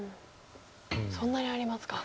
そんなにありますか。